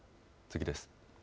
次です。